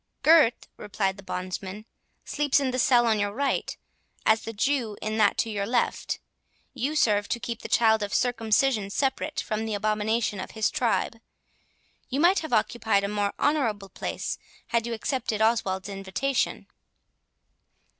"Gurth," replied the bondsman, "sleeps in the cell on your right, as the Jew on that to your left; you serve to keep the child of circumcision separate from the abomination of his tribe. You might have occupied a more honourable place had you accepted of Oswald's invitation."